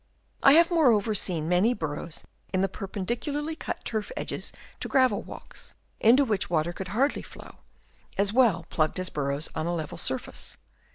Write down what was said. I have moreover seen many burrows in the perpendicularly cut turf edgings to gravel walks, into which water could hardly flow, as well plugged as burrows on a level surface.